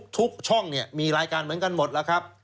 ทุกช่องเนี่ยมีรายการเหมือนกันหมดแล้วครับ